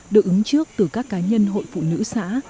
được ứng trước từ các cá nhân hội phụ nữ xã